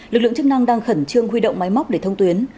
lực lượng chức năng đang khẩn trương huy động máy móc để thông tuyến